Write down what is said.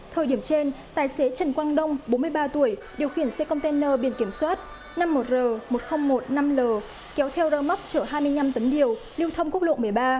thời điểm trên tài xế trần quang đông bốn mươi ba tuổi điều khiển xe container biển kiểm soát năm mươi một r một mươi nghìn một mươi năm l kéo theo rơ móc chở hai mươi năm tấn điều lưu thông quốc lộ một mươi ba